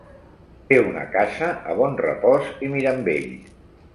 Té una casa a Bonrepòs i Mirambell.